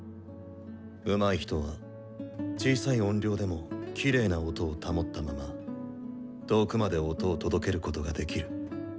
うまい人は小さい音量でもきれいな音を保ったまま遠くまで音を届けることができる。